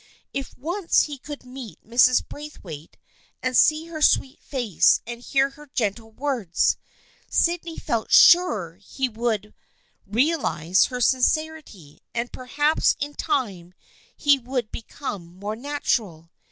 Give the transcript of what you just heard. If once he could meet Mrs. Braithwaite and see her sweet face and hear her gentle words, Sydney felt sure that he would realize her sincerity, and perhaps in time he would be come more natural.